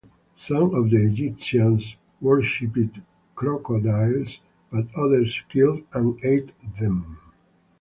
Some of the Egyptians worshiped crocodiles, but others killed and ate them.